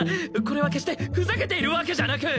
これは決してふざけているわけじゃなく。